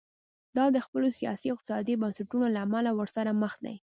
دا د خپلو سیاسي او اقتصادي بنسټونو له امله ورسره مخ دي.